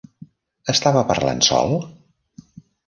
Estava parlant sol?